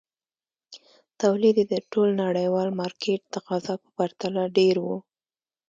تولید یې د ټول نړیوال مارکېټ تقاضا په پرتله ډېر وو.